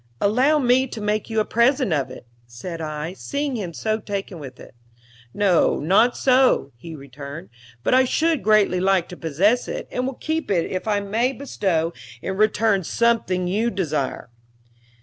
"Allow me to make you a present of it," said I, seeing him so taken with it. "No, not so," he returned. "But I should greatly like to possess it, and will keep it if I may bestow in return something you desire."